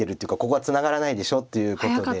ここはツナがらないでしょっていうことで。